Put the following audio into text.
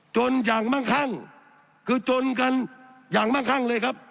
จนอย่างมั่งคั่งคือจนกันอย่างมั่งคั่งเลยครับ